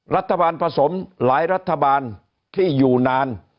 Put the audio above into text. รัฐบาลผสมหลายรัฐบาลที่อยู่นาน